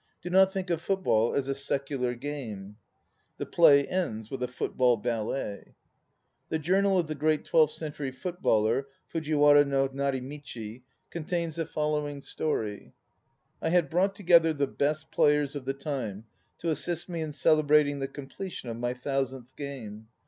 Do not think of football as a secular game." The play ends with a "footbball ballet." The Journal of the great twelfth century footballer, Fujiwara no Narimichi, contains the following story: "I had brought together the best players of the time to assist me in celebrating the completion of my thousandth game.